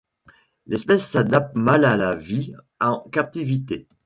L'espèce s'adapte mal à la vie en captivité.